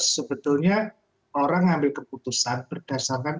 sebetulnya orang ngambil keputusan berdasarkan